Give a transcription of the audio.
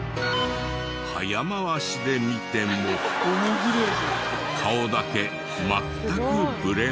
早回しで見ても顔だけ全くブレない。